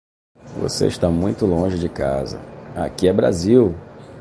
Você está muito longe de casa, aqui é o Brasil!